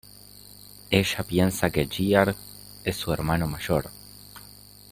Ella piensa que Gear es su hermano mayor.